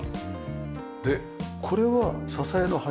でこれは支えの柱？